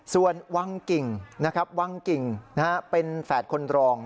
ส่วนวังกิ่งนะครับวังกิ่งเป็นแฝดคนรอง